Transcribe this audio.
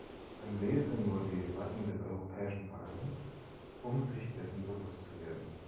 Man lese nur die Debatten des Europäischen Parlaments, um sich dessen bewusst zu werden.